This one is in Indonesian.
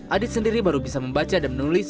adit sendiri baru bisa membaca dan menulis